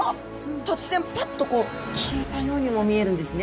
突然パッとこう消えたようにも見えるんですね。